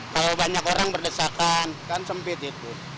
kalau banyak orang berdesakan kan sempit itu